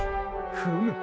フム。